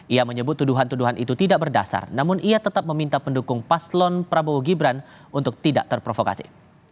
ia menyebut tuduhan tuduhan itu tidak berdasar namun ia tetap meminta pendukung paslon prabowo gibran untuk tidak terprovokasi